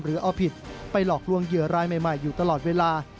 เอาผิดไปหลอกลวงเหยื่อรายใหม่อยู่ตลอดเวลา